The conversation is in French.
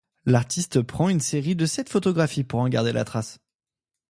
L'artiste prend une série de sept photographies pour en garder la trace.